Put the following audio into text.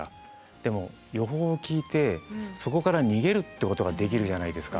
でも予報を聞いてそこから逃げるってことができるじゃないですか。